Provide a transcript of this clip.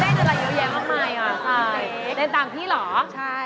เล่นอะไรเยอะแยะมากมายอ่ะใช่เล่นตามพี่เหรอใช่